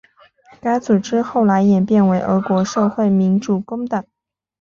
该组织后来演变为俄国社会民主工党。